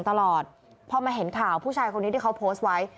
ตลอดพอมาเห็นข่าวผู้ชายคนนี้ที่เขาโพสต์ไว้